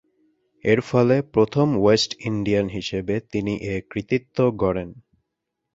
এরফলে প্রথম West Indian হিসেবে তিনি এ কৃতিত্ব গড়েন।